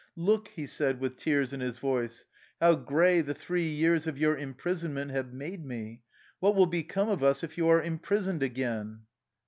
" Look," he said with tears in his voice, '' how gray the three years of your imprisonment have made me. What will become of us if you are imprisoned again?"